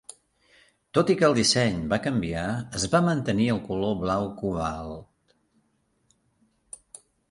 Tot i que el disseny va canviar, es va mantenir el color blau cobalt.